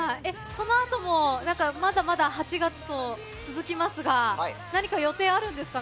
この後もまだまだ８月と続きますが何か予定はあるんですか？